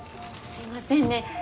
すいませんね。